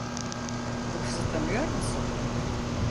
Bu kızı tanıyor musun?